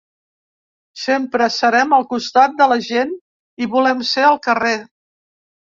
Sempre serem al costat de la gent i volem ser al carrer.